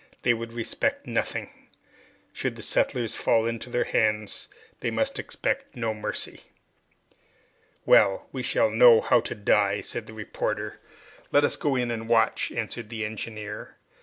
They would respect nothing. Should the settlers fall into their hands, they must expect no mercy! "Well, we shall know how to die!" said the reporter. "Let us go in and watch," answered the engineer.